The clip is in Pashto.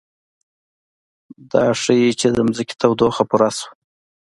دا ښيي چې د ځمکې تودوخه پورته شوه